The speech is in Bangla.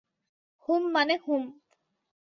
হুম, মানে, হুম।